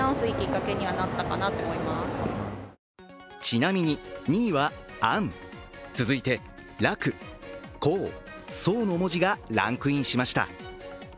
ちなみに２位は「安」、続いて、「楽」「高」「争」の文字がランクインしました。